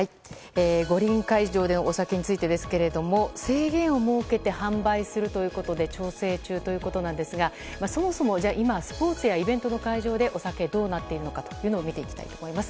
五輪会場でのお酒についてですが制限を設けて販売するということで調整中ということなんですがそもそも、今スポーツやイベントの会場でお酒はどうなっているのかを見ていきたいと思います。